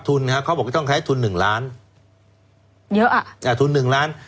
เขาบอกจะต้องใช้ทุนหนึ่งล้านเยอะอ่ะอ่าทุนหนึ่งล้าน